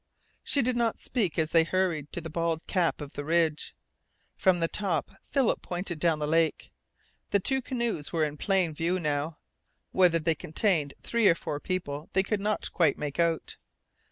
She did not speak as they hurried to the bald cap of the ridge. From the top Philip pointed down the lake. The two canoes were in plain view now. Whether they contained three or four people they could not quite make out.